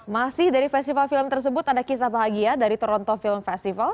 masih dari festival film tersebut ada kisah bahagia dari toronto film festival